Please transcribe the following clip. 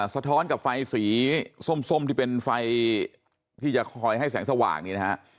สะท้อนกับไฟสีส้มที่เป็นไฟที่จะคอยให้แสงสว่างนี่นะฮะ